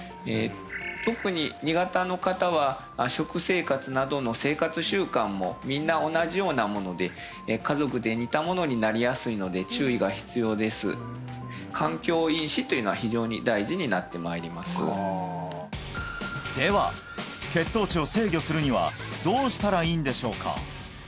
特に２型の方は食生活などの生活習慣もみんな同じようなもので家族で似たものになりやすいので注意が必要ですになってまいりますでは血糖値を制御するにはどうしたらいいんでしょうか？